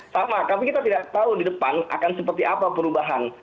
sama tapi kita tidak tahu di depan akan seperti apa perubahan